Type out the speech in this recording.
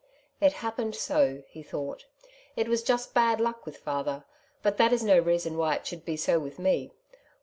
'' It happened so/' he thought ;'^ it was just bad luck with father, but that is no reason why it should be so with me.